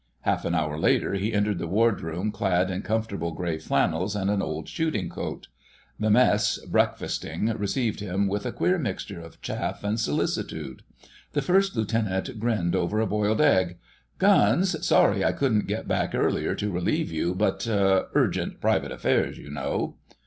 Half an hour later he entered the Wardroom clad in comfortable grey flannels and an old shooting coat. The Mess, breakfasting, received him with a queer mixture of chaff and solicitude. The First Lieutenant grinned over a boiled egg: "Guns, sorry I couldn't get back earlier to relieve you, but 'urgent private affairs,' you know."